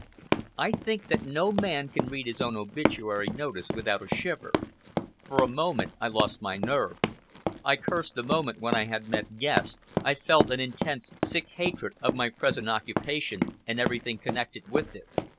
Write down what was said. I think that no man can read his own obituary notice without a shiver. For a moment I lost my nerve. I cursed the moment when I had met Guest, I felt an intense, sick hatred of my present occupation and everything connected with it.